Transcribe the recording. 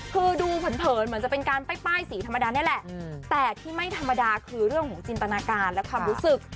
คือดูเผินเหมือนจะเป็นการป้ายสีธรรมดานี่แหละแต่ที่ไม่ธรรมดาคือเรื่องของจินตนาการและความรู้สึก